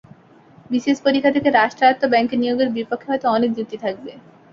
BCS পরীক্ষা থেকে রাষ্ট্রায়ত্ত ব্যাংকে নিয়োগের বিপক্ষে হয়তো অনেক যুক্তি থাকবে।